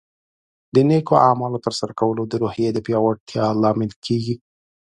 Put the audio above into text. د نیکو اعمالو ترسره کول د روحیې پیاوړتیا لامل کیږي.